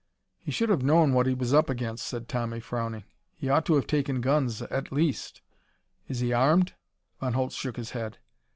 "He should have known what he was up against," said Tommy, frowning. "He ought to have taken guns, at least. Is he armed?" Von Holtz shook his head.